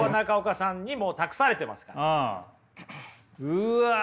うわ！